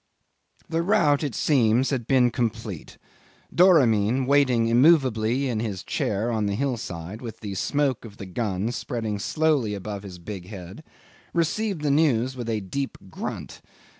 'The rout, it seems, had been complete. Doramin, waiting immovably in his chair on the hillside, with the smoke of the guns spreading slowly above his big head, received the news with a deep grunt.